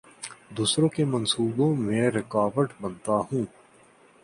دوسروں کے منصوبوں میں رکاوٹ بنتا ہوں